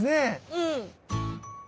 うん。